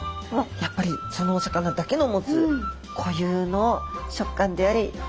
やっぱりそのお魚だけの持つ固有の食感であり脂の乗りですよね。